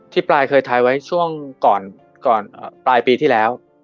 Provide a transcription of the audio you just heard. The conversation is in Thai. ที่ปลายเคยท้ายไว้ช่วงปลายปีที่แล้ว